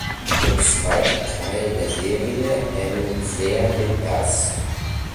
Der zweite Teil der Serie ähnelt sehr dem ersten.